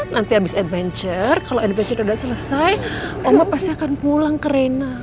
nanti habis adventure kalau adventure udah selesai oma pasti akan pulang ke rena